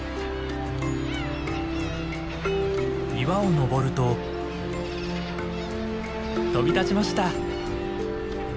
岩を登ると飛び立ちました。